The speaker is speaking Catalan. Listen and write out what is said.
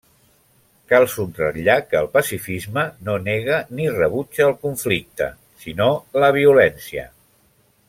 Cal subratllar que el pacifisme no nega ni rebutja el conflicte, sinó la violència.